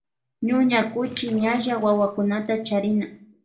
Ñuña kuchi ñalla wawakunta charina.